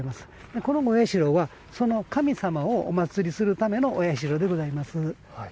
このお社はその神様をお祭りするためのお社でございます。